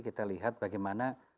kita lihat bagaimana